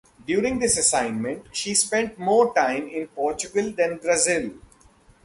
During this assignment she spent more time in Portugal than Brazil.